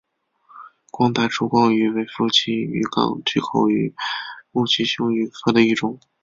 光带烛光鱼为辐鳍鱼纲巨口鱼目褶胸鱼科的其中一种。